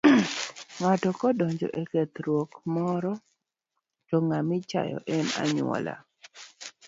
Ng'ato kodonjo e kethruok moro to ng'ama ichayo en anyuola.